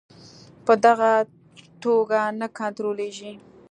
په دغه توګه نه کنټرولیږي.